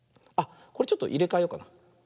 これちょっといれかえようかな。